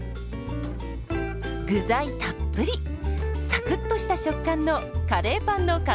具材たっぷりサクッとした食感のカレーパンの完成です。